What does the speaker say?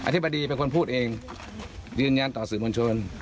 ธิบดีเป็นคนพูดเองยืนยันต่อสื่อมวลชน